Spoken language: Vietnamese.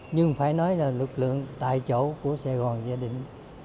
nhưng phải nói là lực lượng tại chỗ của sài gòn gia đình